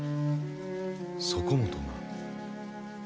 そこもとが。